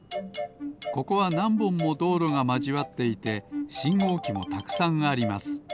ここはなんぼんもどうろがまじわっていてしんごうきもたくさんあります。